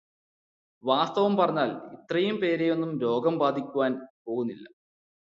വാസ്തവം പറഞ്ഞാല്, ഇത്രയും പേരെയൊന്നും രോഗം ബാധിക്കുവാന് പോകുന്നില്ല.